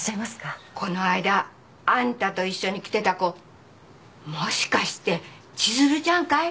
この間あんたと一緒に来てた子もしかして千鶴ちゃんかい？